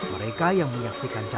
mereka yang menyaksikan cari hal